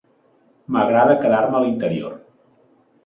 M'agrada quedar-me a l'interior.